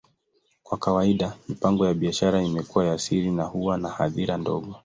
Kwa kawaida, mipango ya biashara imekuwa ya siri na huwa na hadhira ndogo.